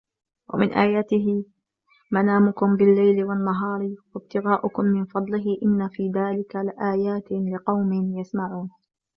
وَمِنْ آيَاتِهِ مَنَامُكُمْ بِاللَّيْلِ وَالنَّهَارِ وَابْتِغَاؤُكُمْ مِنْ فَضْلِهِ إِنَّ فِي ذَلِكَ لَآيَاتٍ لِقَوْمٍ يَسْمَعُونَ